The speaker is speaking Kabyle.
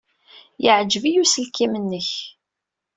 Yeɛjeb-iyi uselkim-nnek.